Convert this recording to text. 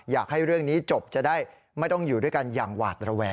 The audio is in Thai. อยากให้เรื่องนี้จบจะได้ไม่ต้องอยู่ด้วยกันอย่างหวาดระแวง